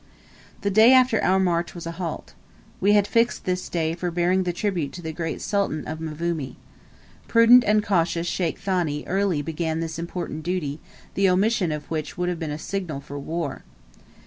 The day after our march was a halt. We had fixed this day for bearing the tribute to the Great Sultan of Mvumi. Prudent and cautious Sheikh Thani early began this important duty, the omission of which would have been a signal for war.